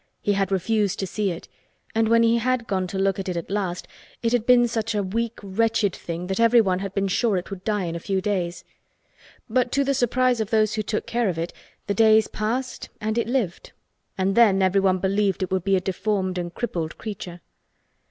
He had refused to see it, and when he had gone to look at it at last it had been, such a weak wretched thing that everyone had been sure it would die in a few days. But to the surprise of those who took care of it the days passed and it lived and then everyone believed it would be a deformed and crippled creature.